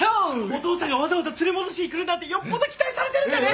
お父さんがわざわざ連れ戻しに来るなんてよっぽど期待されてるんだね！